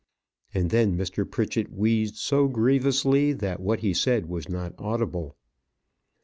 And then Mr. Pritchett wheezed so grievously that what he said was not audible.